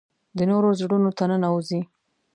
د نورو زړونو ته ننوځي .